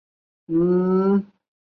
生活中的每一分细节